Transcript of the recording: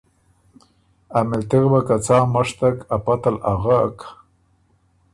ا مِلتغ وه که څا مشتک ا پته ل اغک